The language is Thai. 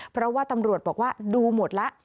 เพราะว่าตำรวจบอกว่าดูหมดแล้ว